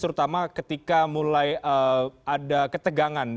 terutama ketika mulai ada ketegangan